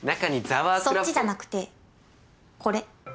そっちじゃなくてこれ。